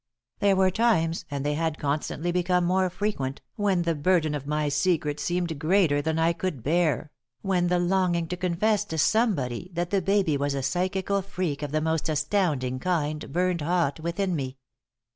There were times, and they had constantly become more frequent, when the burden of my secret seemed greater than I could bear, when the longing to confess to somebody that the baby was a psychical freak of the most astounding kind burned hot within me.